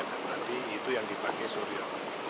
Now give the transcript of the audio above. nanti itu yang dipakai suryo